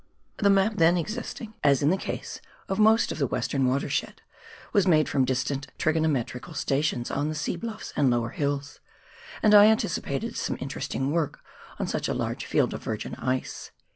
The map then existing, as in the case of most of the western watershed, was made from distant trigonometrical stations on the sea bluffs and lower hills, and I anticipated some interesting work on such a large field of virgin ice.